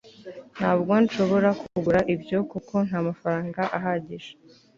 Ntabwo nshobora kugura ibyo kuko ntamafaranga ahagije